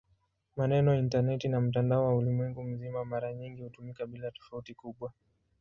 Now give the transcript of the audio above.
Maneno "intaneti" na "mtandao wa ulimwengu mzima" mara nyingi hutumika bila tofauti kubwa.